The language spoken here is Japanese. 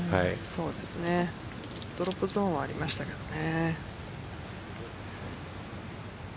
ドロップゾーンはありましたけどね。